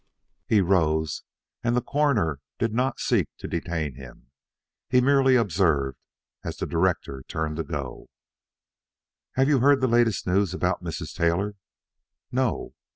He rose, and the Coroner did not seek to detain him. He merely observed, as the director turned to go: "Have you heard the latest news about Mrs. Taylor?" "No."